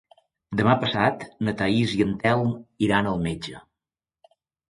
Demà passat na Thaís i en Telm iran al metge.